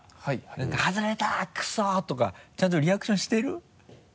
「外れたクソ！」とかちゃんとリアクションしてる？